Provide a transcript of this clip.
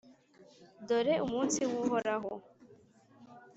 dore Umunsi w’Uhoraho